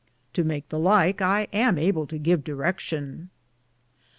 To make the like I am able to giv direckion.